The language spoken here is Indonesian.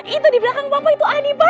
itu di belakang papa itu adi pak